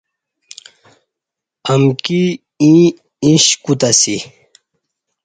امکی ایں ایݩش کوتاسی